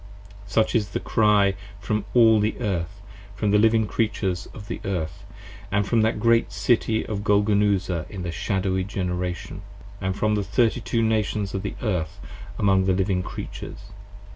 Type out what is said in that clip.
Such is the Cry from all the Earth, from the Living Creatures of the Earth, 55 And from the great City of Golgonooza in the Shadowy Generation, 56 And from the Thirty two Nations of the Earth among the Living Creatures.